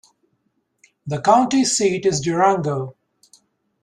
The county seat is Durango.